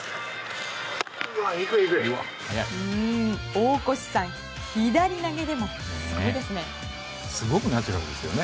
大越さん、左投げでもすごいですね。